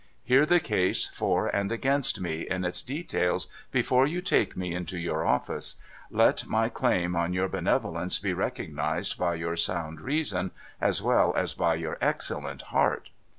Hear the case for and against me, in its details, before you take me into your office. Let my claim on your benevolence be recognised by your sound reason as well as by your excellent heart.